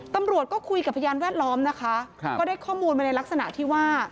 ตำรวจก็คุยกับพยานแวดล้อมนะคะก็ได้ข้อมูลมาในลักษณะที่ว่า